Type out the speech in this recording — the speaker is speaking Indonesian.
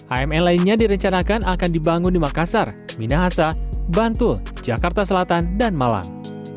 aml lainnya direncanakan akan dibangun di makassar minahasa bantul jakarta selatan dan malang